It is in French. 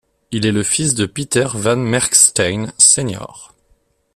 Il est le fils de Peter van Merksteijn Sr.